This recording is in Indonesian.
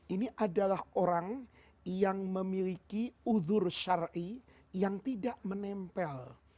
ini adalah orang yang memiliki uzur syari yang tidak menempel